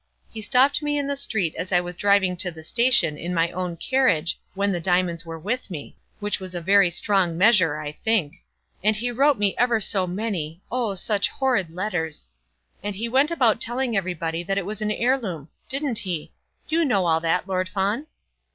He stopped me in the street as I was driving to the station in my own carriage, when the diamonds were with me; which was a very strong measure, I think. And he wrote me ever so many, oh, such horrid letters. And he went about telling everybody that it was an heirloom; didn't he? You know all that, Lord Fawn?"